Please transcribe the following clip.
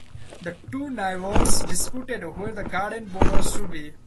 The two neighbours disputed where the garden borders should be.